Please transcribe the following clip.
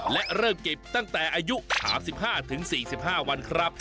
และเริ่มเก็บตั้งแต่อายุ๓๕๔๕วันครับ